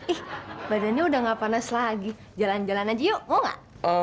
ih badannya udah nggak panas lagi jalan jalan aja yuk mau nggak